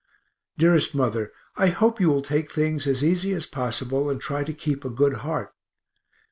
Dearest Mother, I hope you will take things as easy as possible and try to keep a good heart.